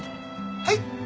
はい？